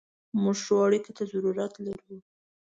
موږ ښو اړیکو ته ضرورت لرو.